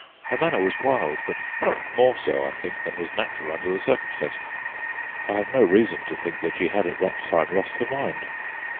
Her manner was wild, but not more so, I think, than was natural under the circumstances. I have no reason to think she had at that time lost her mind.